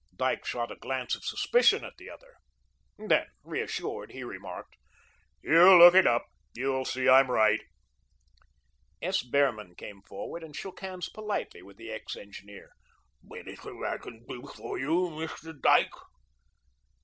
Dyke shot a glance of suspicion at the other. Then, reassured, he remarked: "You look it up. You'll see I'm right." S. Behrman came forward and shook hands politely with the ex engineer. "Anything I can do for you, Mr. Dyke?"